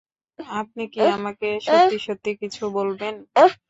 আপনি কি আমাকে সত্যি সত্যি কিছু বলবেন?